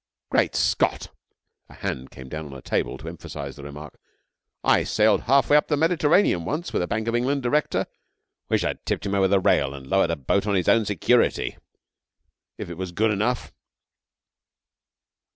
'Great Scott!' a hand came down on a table to emphasise the remark 'I sailed half way up the Mediterranean once with a Bank of England director; wish I'd tipped him over the rail and lowered him a boat on his own security if it was good enough.'